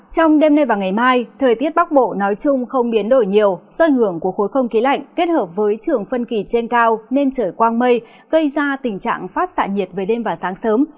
trong đêm nay và ngày mai thời tiết bắc bộ nói chung không biến đổi nhiều do ảnh hưởng của khối không khí lạnh kết hợp với trường phân kỳ trên cao nên trời quang mây gây ra tình trạng phát xạ nhiệt về đêm và sáng sớm